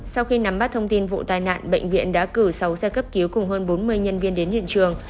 sau khi nắm bắt thông tin vụ tai nạn bệnh viện đã cử sáu xe cấp cứu cùng hơn bốn mươi nhân viên đến hiện trường